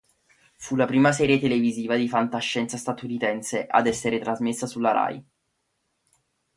Fu la prima serie televisiva di fantascienza statunitense ad essere trasmessa sulla Rai.